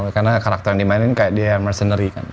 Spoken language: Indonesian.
karena karakter yang dimainin kayak dia mercenary kan